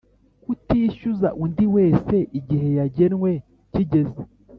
kutishyuza undi wese igihe cyagenwe kigeze